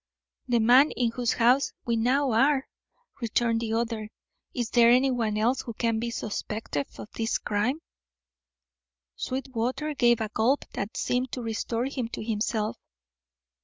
"The man in whose house we now are," returned the other. "Is there anyone else who can be suspected of this crime?" Sweetwater gave a gulp that seemed to restore him to himself.